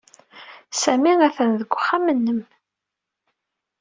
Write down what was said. Sami atan deg uxxam-nnem.